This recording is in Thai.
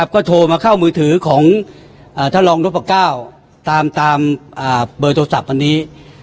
ก็โทรมาเข้ามือถือของท่านรองนพก้าวตามเบอร์โทรศัพท์อันนี้